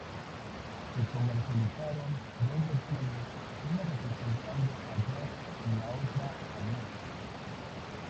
Se comercializaron dos versiones una representando a Jack y la otra a Meg.